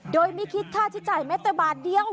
โดยไม่คิดค่าใช้จ่ายแม้แต่บาทเดียว